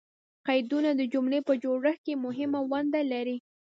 قیدونه د جملې په جوړښت کښي مهمه ونډه لري.